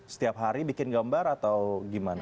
setiap hari bikin gambar atau gimana